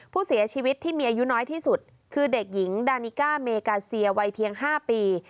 ผู้เสียชีวิตที่มีอายุน้อยที่สุดคือเด็กหญิงดานิก้าเมกาเซียวัยเพียง๕ปี